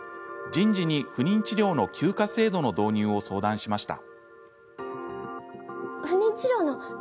人事に不妊治療の休暇制度の導入を相談しました。